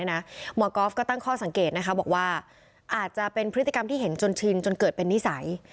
หมอก็บอกว่าอาจจะเป็นพฤติกรรมที่เห็นจนชินจนเกิดเป็นนิสัย